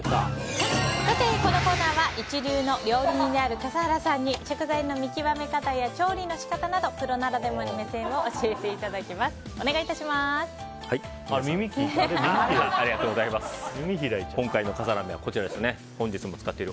このコーナーは一流の料理人である笠原さんに食材の見極め方や調理の仕方などプロならではの目線を耳開いちゃった。